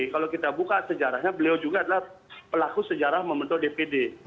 kalau kita buka sejarahnya beliau juga adalah pelaku sejarah membentuk dpd